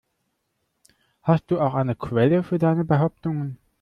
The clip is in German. Hast du auch eine Quelle für deine Behauptungen?